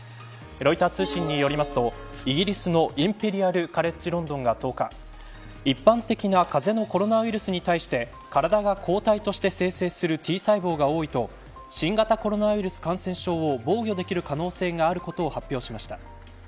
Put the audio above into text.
ロイター通信によりますとイギリスのインペリアル・カレッジ・ロンドンが１０日一般的な風邪のコロナウイルスに対して体が抗体として生成するＴ細胞が多いと新型コロナウイルス感染症を防御できる可能性があることを発表しました。